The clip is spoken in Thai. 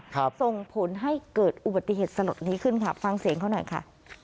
ส่งผลให้เกิดอุบัติเหตุสลดนี้ขึ้นค่ะฟังเสียงเขาหน่อยค่ะ